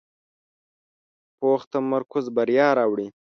پوخ تمرکز بریا راوړي